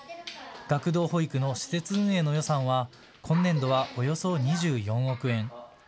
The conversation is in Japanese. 学童保育の施設運営の予算は今年度はおよそ２４億円。